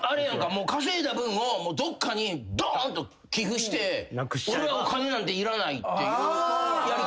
稼いだ分をどっかにどんと寄付して俺はお金なんていらないっていうやり方あるんじゃない。